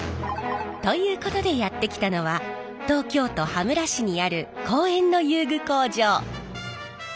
ということでやって来たのは東京都羽村市にある公園の遊具工場。